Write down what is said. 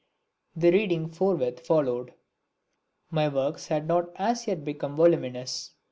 The reading forthwith followed. My works had not as yet become voluminous.